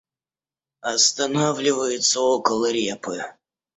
Останавливается около репы.